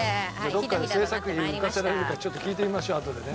どっかで制作費浮かせられるかちょっと聞いてみましょうあとでね。